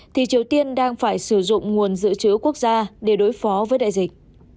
thì triều tiên đang phải sử dụng nguồn dự trữ quốc gia để đối phó với đại dịch